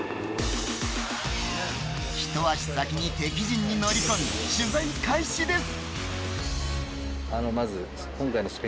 ひと足先に敵陣に乗り込み取材開始です。